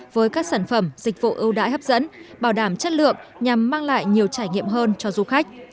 với các sản phẩm dịch vụ ưu đãi hấp dẫn bảo đảm chất lượng nhằm mang lại nhiều trải nghiệm hơn cho du khách